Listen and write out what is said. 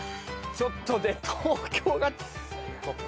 ちょっとね東京が。